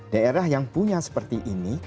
daerah yang punya seperti ini